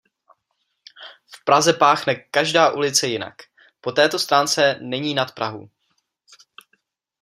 V Praze páchne každá ulice jinak; po této stránce není nad Prahu.